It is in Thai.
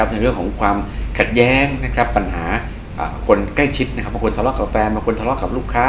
ในเรื่องของความขัดแย้งปัญหาคนใกล้ชิดบางคนทะเลาะกับแฟนบางคนทะเลาะกับลูกค้า